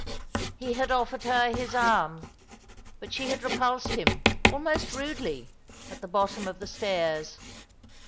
He had offered her his arm, but she had repulsed him, almost rudely, at the bottom of the stairs.